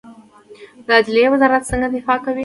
د عدلیې وزارت څنګه دفاع کوي؟